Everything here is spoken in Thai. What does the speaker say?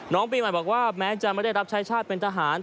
น้องปีใหม่บอกว่าแม้จะไม่ได้รับใช้ชาติเป็นทหาร